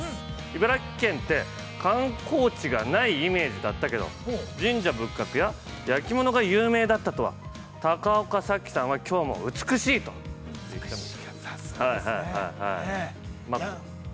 ◆茨城県って、観光地がないイメージだったけど、神社仏閣や焼き物が有名だったとは高岡早紀さんは、きょうも美しいということで。